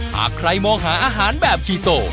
หากใครมองหาอาหารแบบชีโต